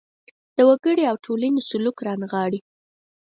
د وګړي او ټولنې سلوک رانغاړي.